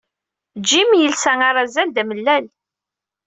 Jim yelsa arazal d amellal.